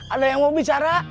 ada yang mau bicara